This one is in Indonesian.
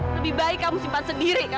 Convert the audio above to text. lebih baik kamu simpan sendiri kan